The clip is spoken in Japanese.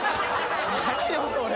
何よそれ。